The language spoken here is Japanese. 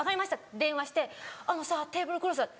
電話して「あのさテーブルクロスは」。